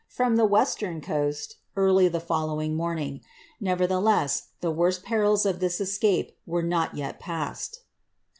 from the weitern coast, early the following morning;' ne?erthde«, the worst perils of this escape were not yet passed.